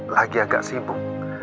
lagi agak sibuk